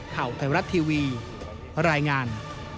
ข่าวไทยรัฐทีวีรายงาน